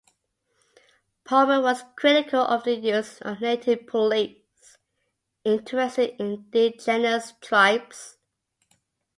Palmer was critical of the use of native police, and interested in indigenous tribes.